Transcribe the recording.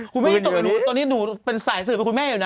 คุณค่าที่ตกไปรู้ตอนนี้เป็นสายสื่อคุณแม่อยู่นะ